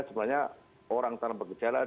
sebenarnya orang tanpa kejaraan